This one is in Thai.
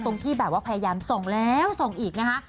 ตรงที่แบบว่าพยายามส่งแล้วส่งอีกยังไง